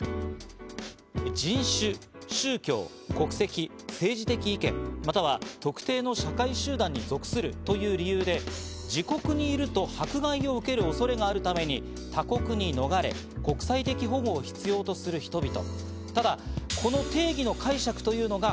人種、宗教、国籍、政治的意見、または特定の社会集団に属するという理由で、自国にいると迫害を受ける恐れがあるために他国に逃れ、国際的保護を必要とする人々。